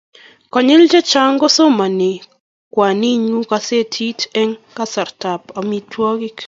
konyil chechang kosomani kwaninyu gazetit eng' kasarta ab amitwogik